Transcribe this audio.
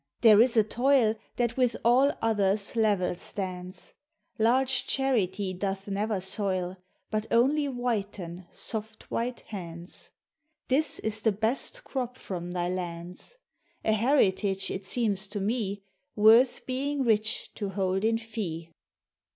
there is a toil That with all others level stauds; Large charity doth never soil, But only whiten, soft white hands — This is the best crop from thy lands; A heritage it seems to me, Worth being rich to hold in fee.